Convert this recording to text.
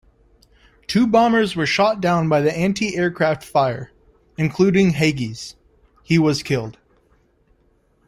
Two bombers were shot down by anti-aircraft fire, including Hagai's; he was killed.